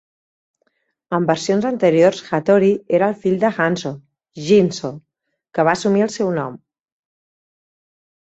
En versions anteriors, Hattori era el fill de Hanzo, Shinzo, que va assumir el seu nom.